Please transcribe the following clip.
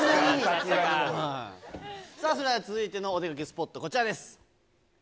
それでは続いてのお出かけスポット、こちらです。